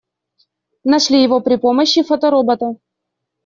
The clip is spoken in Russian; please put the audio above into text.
Нашли его при помощи фоторобота.